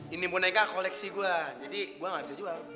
ini boneka koleksi gua jadi gua ga bisa jual